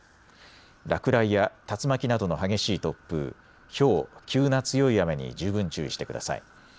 落雷や竜巻などの激しい突風、ひょう、急な強い雨に十分注意してください。